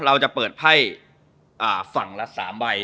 เราจะเปิดไพ่ฝั่งละ๓ใบ